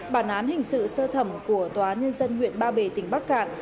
bản án hình sự sơ thẩm của tòa nhân dân huyện ba bể tỉnh bắc cạn